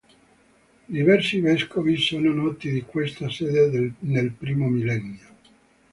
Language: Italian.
Diversi vescovi sono noti di questa sede nel primo millennio.